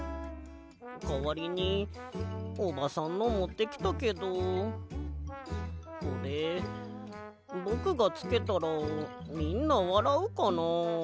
かわりにおばさんのもってきたけどこれぼくがつけたらみんなわらうかな？